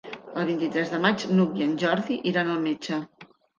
El vint-i-tres de maig n'Hug i en Jordi iran al metge.